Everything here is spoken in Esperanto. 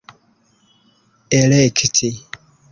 elekti